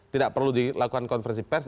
tidak perlu dilakukan konversi pers